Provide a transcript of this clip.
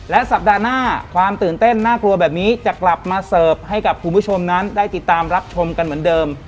และสัปดาห์หน้าความตื่นเต้นน่ากลัวแบบนี้จะกลับมาเสิร์ฟให้กับคุณผู้ชมนั้นได้ติดตามรับชมกันเหมือนเดิม